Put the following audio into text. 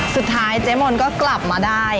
สุดท้ายเจมส์มนตร์ก็กลับมาได้